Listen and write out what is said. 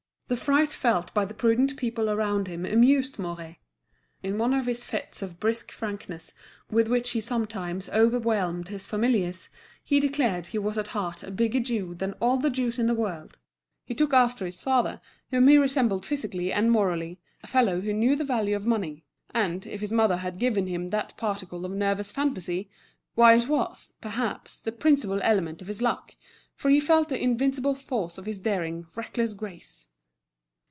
The fright felt by the prudent people around him amused Mouret. In one of his fits of brusque frankness with which he sometimes overwhelmed his familiars, he declared he was at heart a bigger Jew than all the Jews in the world; he took after his father, whom he resembled physically and morally, a fellow who knew the value of money; and, if his mother had given him that particle of nervous fantasy, why it was, perhaps, the principal element of his luck, for he felt the invincible force of his daring, reckless grace.